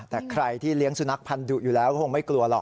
แต่ใครที่เลี้ยงสุนัขพันธุอยู่แล้วก็คงไม่กลัวหรอก